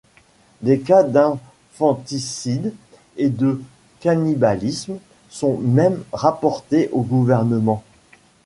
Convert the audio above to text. Des cas d'infanticide et de cannibalisme sont même rapportés au gouvernement.